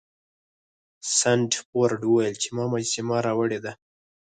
سنډفورډ وویل چې ما مجسمه راوړې ده.